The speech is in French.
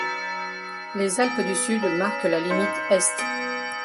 Les Alpes du Sud marquent la limite est.